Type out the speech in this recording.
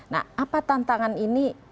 nah apa tantangan ini